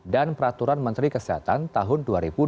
dan peraturan menteri kesehatan tahun dua ribu dua puluh